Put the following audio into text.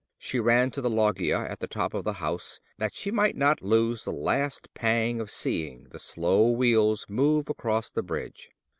She ran to the loggia at the top of the house that she might not lose the last pang of seeing the slow wheels move across the bridge.